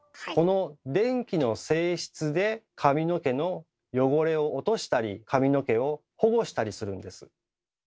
この電気の性質で髪の毛の汚れを落としたり髪の毛を保護したりするんです。